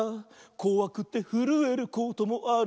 「こわくてふるえることもある」